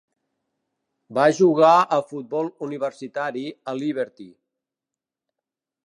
Va jugar a futbol universitari a Liberty.